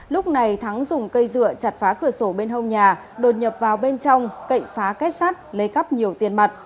lúc này thắng dùng cây dựa chặt phá cửa sổ bên hông nhà đột nhập vào bên trong cậy phá kết sắt lấy cắp nhiều tiền mặt